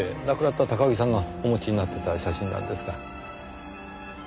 亡くなった高木さんがお持ちになってた写真なんですが。